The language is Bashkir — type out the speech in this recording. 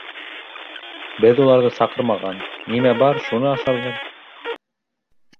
Беҙ уларҙы саҡырмаған, нимә бар шуны ашарҙар.